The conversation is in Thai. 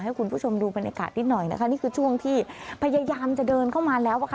ให้คุณผู้ชมดูบรรยากาศนิดหน่อยนะคะนี่คือช่วงที่พยายามจะเดินเข้ามาแล้วอะค่ะ